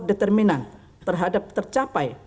determinan terhadap tercapai